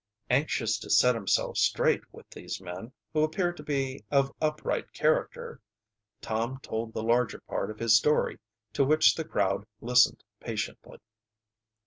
Anxious to set himself straight with these men, who appeared to be of upright character, Tom told the larger part of his story, to which the crowd listened patiently.